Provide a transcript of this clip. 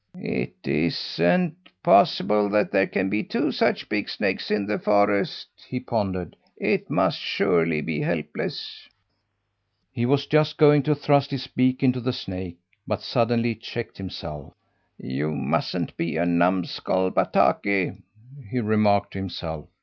"It isn't possible that there can be two such big snakes in the forest," he pondered. "It must surely be Helpless!" He was just going to thrust his beak into the snake, but suddenly checked himself. "You mustn't be a numbskull, Bataki!" he remarked to himself.